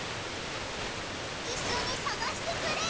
いっしょにさがしてくれ！